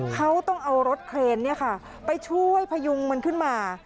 เขาต้องเอารถเครนไปช่วยพยุงมันขึ้นมา